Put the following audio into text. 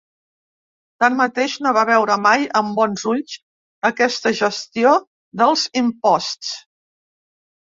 Tanmateix, no va veure mai amb bons ulls aquesta gestió dels imposts.